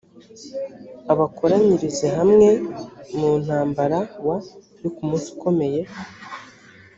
abakoranyirize hamwe mu ntambaraw yo ku munsi ukomeye